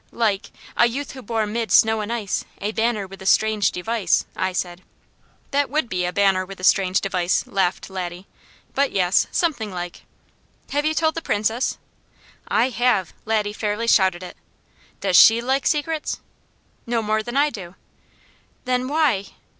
"Like, 'A youth who bore mid snow and ice, A banner with a strange device,'" I said. "That would be 'a banner with a strange device,'" laughest Laddie. "But, yes something like!" "Have you told the Princess?" "I have!" Laddie fairly shouted it. "Docs SHE like secrets?" "No more than I do!" "Then why